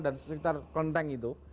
dan sekitar klenteng itu